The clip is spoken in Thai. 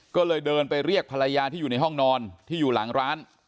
ก็เลยเดินไปเรียกภรรยาที่อยู่ในห้องนอนที่อยู่หลังร้าน